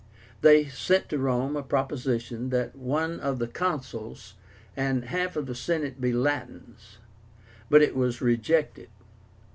They sent to Rome a proposition that one of the Consuls and half of the Senate be Latins; but it was rejected.